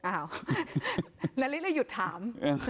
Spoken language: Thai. อ้าวนฤทธิ์ก็เลยหยุดถาม